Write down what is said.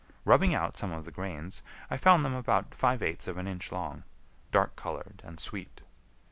Rubbing out some of the grains, I found them about five eighths of an inch long, dark colored, and sweet.